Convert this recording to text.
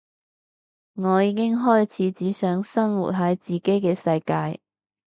我已經開始只想生活喺自己嘅世界